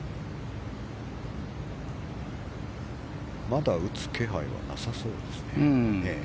まだ打つ気配はなさそうですね。